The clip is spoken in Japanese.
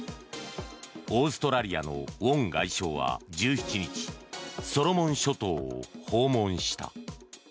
オーストラリアのウォン外相は１７日ソロモン諸島を訪問した。